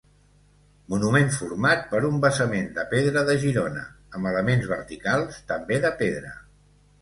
Monument format per un basament de pedra de Girona amb elements verticals també de pedra.